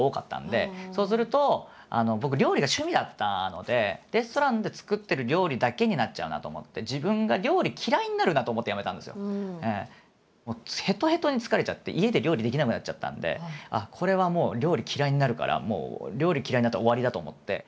そうすると僕料理が趣味だったのでレストランで作ってる料理だけになっちゃうなあと思ってへとへとに疲れちゃって家で料理できなくなっちゃったんであっこれはもう料理嫌いになるからもう料理嫌いになったら終わりだと思って。